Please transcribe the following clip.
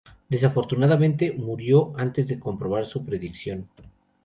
Desafortunadamente, murió antes de comprobar su predicción.